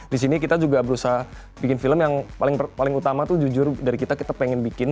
di sini kita juga berusaha bikin film yang paling utama tuh jujur dari kita kita pengen bikin